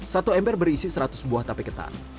satu ember berisi seratus buah tape ketan